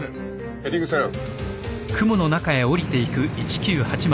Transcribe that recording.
ヘディングセル。